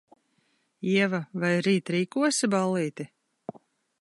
Ieva, vai rīt rīkosi ballīti?